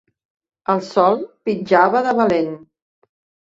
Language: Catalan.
El sol pitjava de valent.